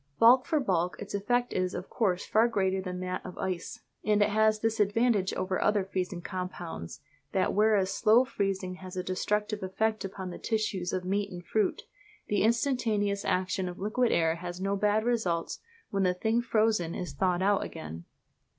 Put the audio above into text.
Bulk for bulk its effect is of course far greater than that of ice; and it has this advantage over other freezing compounds, that whereas slow freezing has a destructive effect upon the tissues of meat and fruit, the instantaneous action of liquid air has no bad results when the thing frozen is thawed out again.